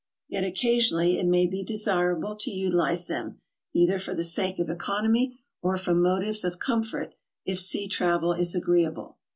Yet occasionally it may be desirable to utilize them, either for the sake of economy or from motives of comfort if sea travel is agreeable.